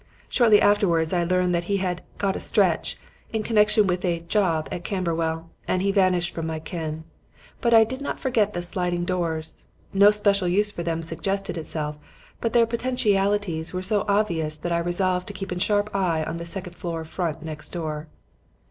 Shortly afterwards I learned that he had 'got a stretch' in connection with a 'job' at Camberwell; and he vanished from my ken. But I did not forget the sliding doors. No special use for them suggested itself, but their potentialities were so obvious that I resolved to keep a sharp eye on the second floor front next door.